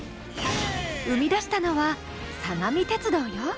生み出したのは相模鉄道よ。